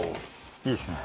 いいですね。